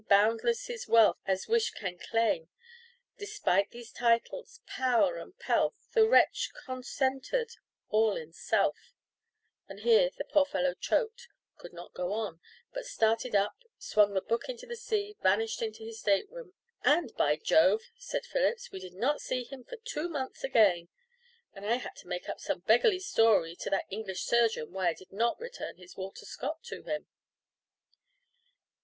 Boundless his wealth as wish can claim, Despite these titles, power, and pelf, The wretch, concentred all in self " and here the poor fellow choked, could not go on, but started up, swung the book into the sea, vanished into his state room, "And by Jove," said Phillips, "we did not see him for two months again. And I had to make up some beggarly story to that English surgeon why I did not return his Walter Scott to him."